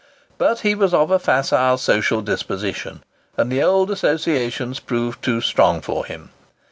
But he was of a facile, social disposition, and the old associations proved too strong for him.